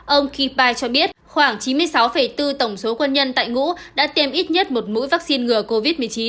ông kipai cho biết khoảng chín mươi sáu bốn tổng số quân nhân tại ngũ đã tiêm ít nhất một mũi vaccine ngừa covid một mươi chín